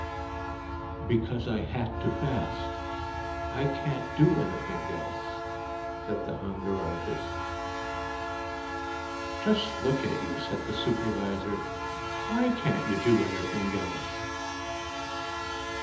"Because I had to fast. I can't do anything else," said the hunger artist. "Just look at you," said the supervisor, "why can't you do anything else?"